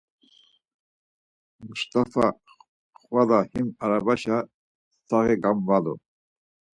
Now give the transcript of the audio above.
Must̆afa xvala him arabaşa saği gamvalu.